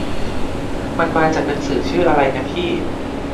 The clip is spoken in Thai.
มันมาจากหนังสือชื่ออะไรนะพี่ ?